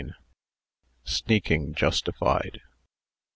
SNEAKING JUSTIFIED.